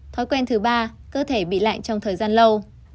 thói quen thứ ba cơ thể bị lạnh trong thời gian lâu